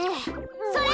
それ！